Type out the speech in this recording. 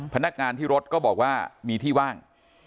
พนักงานที่รถก็บอกว่ามีที่ว่าง